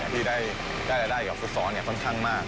ที่ได้รายได้กับฟุตซอลค่อนข้างมาก